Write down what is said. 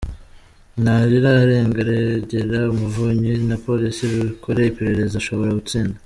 Nta rirarenga regera umuvunyi na Police bikore iperereza ushobora gutsinda.